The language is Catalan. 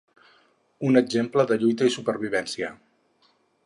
Un exemple de lluita i de supervivència.